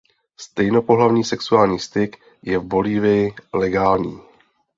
Stejnopohlavní sexuální styk je v Bolívii legální.